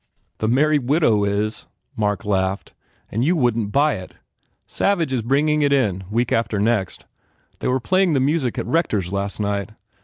"The Merry Widow is," Mark laughed, "and you wouldn t buy it. Savage is bringing it in week after next. They were playing the music at Rector s last night.